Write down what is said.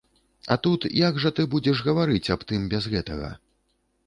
А тут, як жа ты будзеш гаварыць аб тым без гэтага?